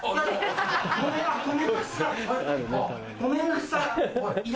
ごめんなさい